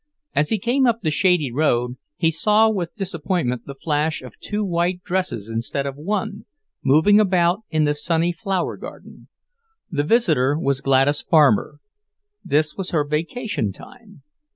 As he came up the shady road, he saw with disappointment the flash of two white dresses instead of one, moving about in the sunny flower garden. The visitor was Gladys Farmer. This was her vacation time.